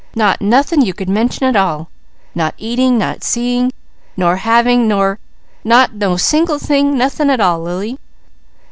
Not nothing you could mention at all! Not eating! Nor seeing! Nor having! Not no single thing nothing at all Lily!